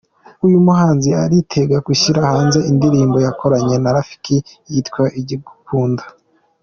Uyu muhanzi aritegura gushyira hanze indirimbo yakoranye na Rafiki yitwa “Ikigunda”.